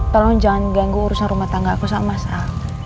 tolong jangan ganggu urusan rumah tangga aku sama sama